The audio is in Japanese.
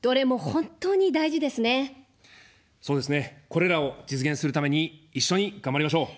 これらを実現するために一緒に頑張りましょう。